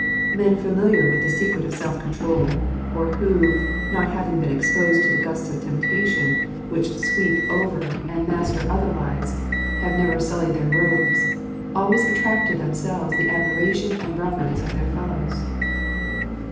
Men familiar with the secret of self control — or who, not having been exposed to the gusts of temptations which sweep over and master 44 ®Im» %zcvzt 0f |Jurttir. other lives, have never sullied their robes — always attract to themselves the admiration and reverence of their fellows.